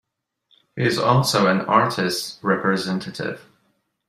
He is also an artists representative.